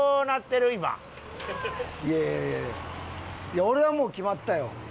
いや俺はもう決まったよ。